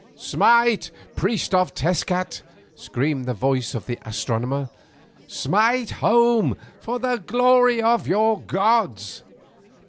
"Smite, priest of Tezcat," screamed the voice of the astronomer; "smite home for the glory of your gods!"